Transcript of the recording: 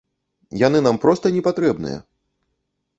Яны нам проста не патрэбныя.